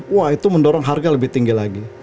wah itu mendorong harga lebih tinggi lagi